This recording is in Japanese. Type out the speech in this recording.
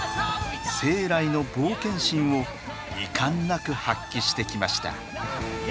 生来の冒険心をいかんなく発揮してきました。